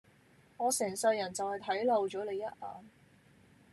我成世人就係睇漏咗你一眼